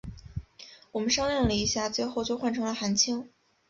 我们商量了一下最后就换成了韩青。